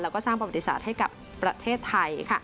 แล้วก็สร้างประวัติศาสตร์ให้กับประเทศไทย